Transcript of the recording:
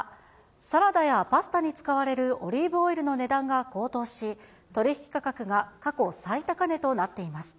サラダやパスタに使われるオリーブオイルの値段が高騰し、取り引き価格が過去最高値となっています。